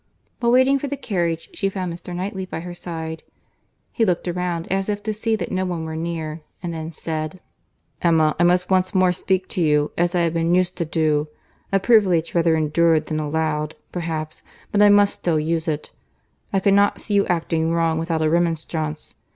While waiting for the carriage, she found Mr. Knightley by her side. He looked around, as if to see that no one were near, and then said, "Emma, I must once more speak to you as I have been used to do: a privilege rather endured than allowed, perhaps, but I must still use it. I cannot see you acting wrong, without a remonstrance.